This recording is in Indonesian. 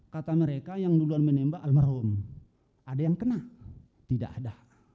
kata mereka yang duluan menembak almarhum ada yang kena tidak ada